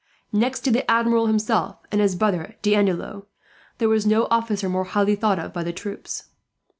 Next to the Admiral himself, and his brother D'Andelot, there was no officer more highly thought of by the troops.